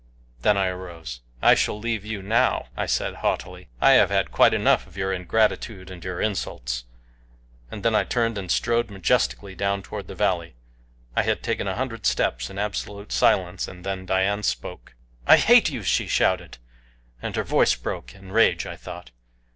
Then I arose. "I shall leave you NOW," I said haughtily, "I have had quite enough of your ingratitude and your insults," and then I turned and strode majestically down toward the valley. I had taken a hundred steps in absolute silence, and then Dian spoke. "I hate you!" she shouted, and her voice broke in rage, I thought.